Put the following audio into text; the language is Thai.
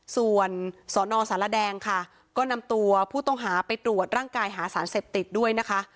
ส่วนสนสารแดงค่ะก็นำตัวผู้ต้องหาไปตรวจร่างกายหาสารเสพติดด้วยนะคะ